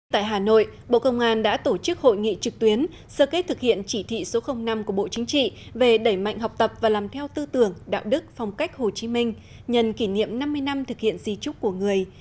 tại hà nội bộ công an đã tổ chức hội nghị trực tuyến sơ kết thực hiện chỉ thị số năm của bộ chính trị về đẩy mạnh học tập và làm theo tư tưởng đạo đức phong cách hồ chí minh nhân kỷ niệm năm mươi năm thực hiện di trúc của người